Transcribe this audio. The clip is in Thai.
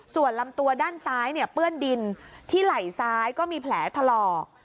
ส่วนลำตัวด้านซ้ายเนี่ยเปื้อนดินที่ไหล่ซ้ายก็มีแผลถลอก